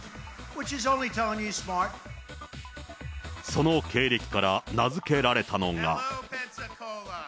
その経歴から名付けられたのが。